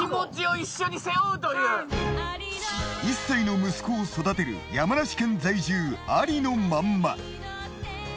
１歳の息子を育てる山梨県在住ありのまんま。